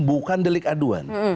bukan delik aduan